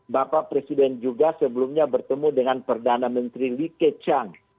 bapak presiden juga sebelumnya bertemu dengan perdana menteri like chang